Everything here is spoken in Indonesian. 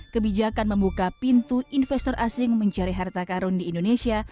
kebijakan membuka pintu investor asing mencari harta karun di indonesia